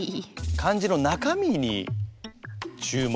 漢字の中身に注目。